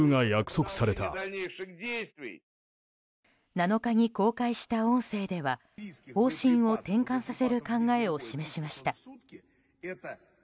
７日に公開した音声では方針を転換させる考えを示しました。